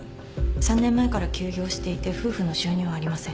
３年前から休業していて夫婦の収入はありません。